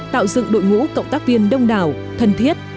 tạo dựng đội ngũ cộng tác viên đông đảo thân thiết